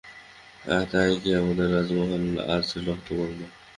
তাই কি আমাদের রাজমহল আজ রক্তবর্ণ!